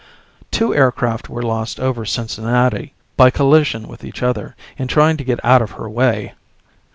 Two aircraft were lost over Cincinnati, by collision with each other in trying to get out of her way.